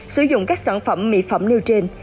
sử dụng các sản phẩm mỹ phẩm nêu trên